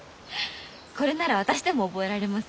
これなら私でも覚えられます。